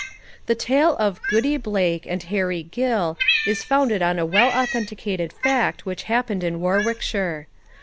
The tale of Goody Blake and Harry Gill is founded on a well authenticated fact which happened in Warwickshire.